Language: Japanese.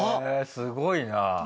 すごいなあ。